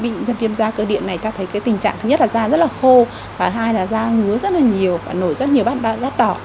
vì ra viêm da cơ địa này ta thấy cái tình trạng thứ nhất là da rất là khô và hai là da ngứa rất là nhiều và nổi rất nhiều bát rác đỏ